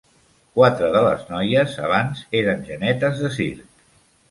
Quatre de les noies abans eren genetes de circ.